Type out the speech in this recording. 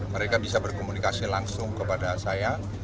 mereka bisa berkomunikasi langsung kepada saya